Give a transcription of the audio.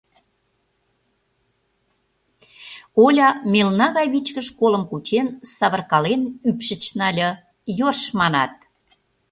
Оля мелна гай вичкыж колым кучен савыркален ӱпшыч нале: «Ёрш, манат».